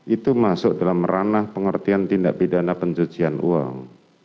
itu masuk dalam ranah pengertian tindak pidana pencucian uang